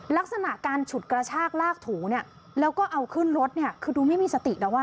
ลักษณะการฉุดกระชากลากถูแล้วก็เอาขึ้นรถคือดูไม่มีสติแล้ว